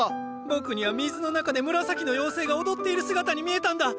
僕には水の中で紫の妖精が踊っている姿に見えたんだ。